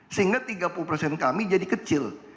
sehingga tiga puluh persen kami jadi kecil